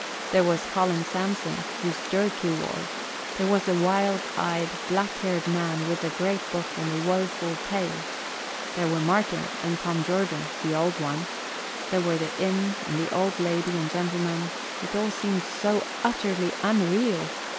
There was Colin Samson, whose dirk he wore; there was the wild eyed, black haired man with the great book and the woeful tale; there were Martin, and Tom Jordan, "the Old One"; there were the inn and the old lady and gentleman it all seemed so utterly unreal!